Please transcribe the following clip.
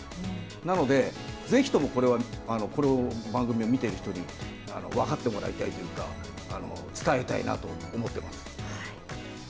なので、ぜひとも、これはこの番組を見ている人に分かってもらいたいというか伝えたいなと思っています。